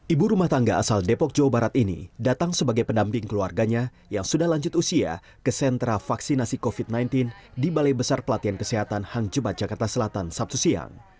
ibu rumah tangga asal depok jawa barat ini datang sebagai pendamping keluarganya yang sudah lanjut usia ke sentra vaksinasi covid sembilan belas di balai besar pelatihan kesehatan hang jebat jakarta selatan sabtu siang